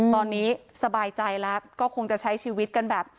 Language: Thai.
ตอนนี้สบายใจแล้วก็คงจะใช้ชีวิตกันแบบ